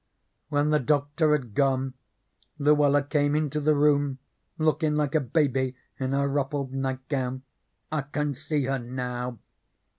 When the doctor had gone, Luella came into the room lookin' like a baby in her ruffled nightgown. I can see her now.